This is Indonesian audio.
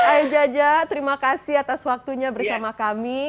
ayah jaja terima kasih atas waktunya bersama kami